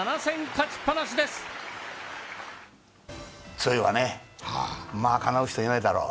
強いわね、かなう人いないだろう。